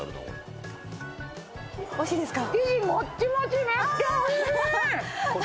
おいしいですか？